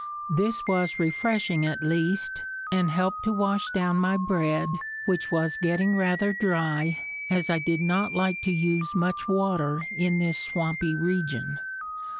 This was refreshing at least, and helped to wash down my bread, which was getting rather dry, as I did not like to use much water in this swampy region.